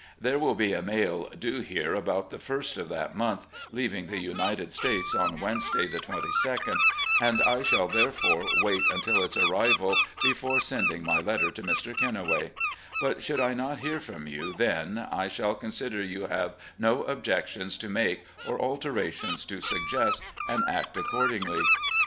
There will be a mail due here about the first of that month, leaving the United States on Wednesday, the 2 2d, and I shall, therefore, wait till its arrival before sending my letter to Mr. Kennaway ; but should I not hear from you then I shall consider you have no objections to make or alterations to suggest, and act accordingly.